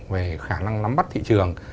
về khả năng lắm bắt thị trường